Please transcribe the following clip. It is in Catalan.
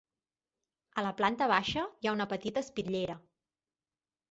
A la planta baixa hi ha una petita espitllera.